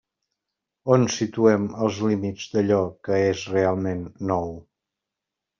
On situem els límits d'allò que és realment nou?